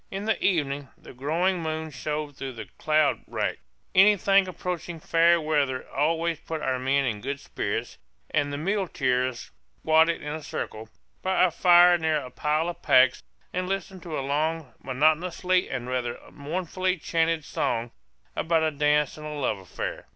In the evening the growing moon shone through the cloud rack. Anything approaching fair weather always put our men in good spirits; and the muleteers squatted in a circle, by a fire near a pile of packs, and listened to a long monotonously and rather mournfully chanted song about a dance and a love affair.